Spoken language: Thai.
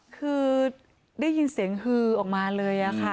คือได้ยินเสียงฮือออกมาเลยค่ะ